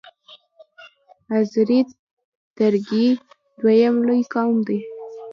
آذری ترکګي دویم لوی قوم دی.